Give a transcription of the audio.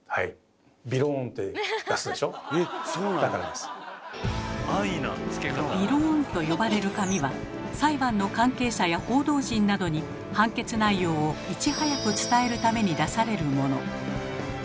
「びろーん」と呼ばれる紙は裁判の関係者や報道陣などに判決内容をいち早く伝えるために出されるもの。